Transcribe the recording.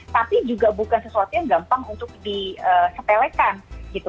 tapi juga bukan sesuatu yang gampang untuk disepelekan gitu